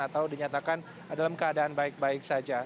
atau dinyatakan dalam keadaan baik baik saja